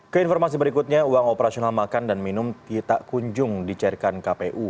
keinformasi berikutnya uang operasional makan dan minum tak kunjung dicairkan kpu